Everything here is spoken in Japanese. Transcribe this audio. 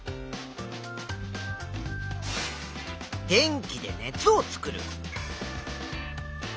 「電気で熱を作る」。